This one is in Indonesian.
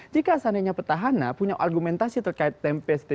jika seandainya petahana punya argumentasi terkait tempest